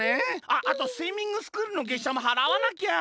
あっあとスイミングスクールのげっしゃもはらわなきゃ！